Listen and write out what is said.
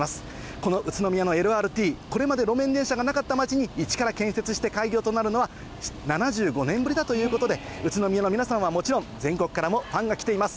この宇都宮のＬＲＴ、これまで路面電車がなかった町に、一から建設して開業となるのは７５年ぶりだということで、宇都宮の皆さんはもちろん、全国からもファンが来ています。